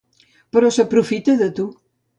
Però s'aprofita de tu.